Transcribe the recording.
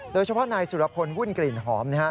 โดยเฉพาะนายสุรพลวุ่นกลิ่นหอม